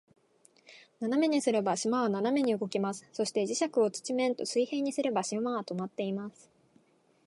斜めにすれば、島は斜めに動きます。そして、磁石を土面と水平にすれば、島は停まっています。